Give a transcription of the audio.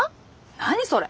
何それ！